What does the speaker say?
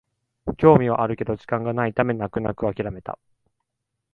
興味はあるけど時間がないため泣く泣くあきらめた